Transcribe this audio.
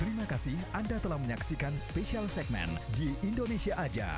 terima kasih anda telah menyaksikan special segmen di indonesia aja